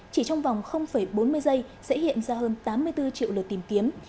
chỉ trong vòng bốn mươi giây sẽ hiện ra hơn tám mươi bốn triệu lượt tìm kiếm